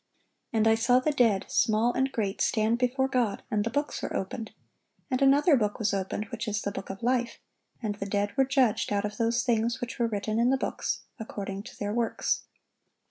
And I saw the dead, small and great, stand before God; and the books were opened: and another book was opened, which is the book of life: and the dead were judged out of those things which were written in the books, according to their works."